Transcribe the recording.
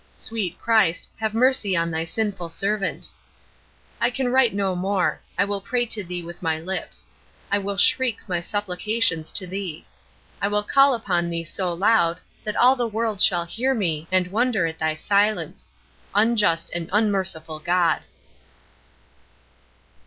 Sweet Christ, have mercy on Thy sinful servant. I can write no more. I will pray to Thee with my lips. I will shriek my supplications to Thee. I will call upon Thee so loud that all the world shall hear me, and wonder at Thy silence unjust and unmerciful God!